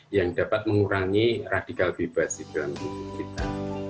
yang dapat mengurangi radikal bebas di dalam tubuh kita